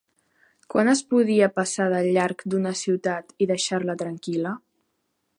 Quan es podia passar de llarg d'una ciutat i deixar-la tranquil·la?